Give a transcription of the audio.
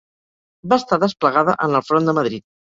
Va estar desplegada en el front de Madrid.